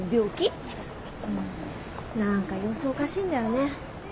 うんなんか様子おかしいんだよね。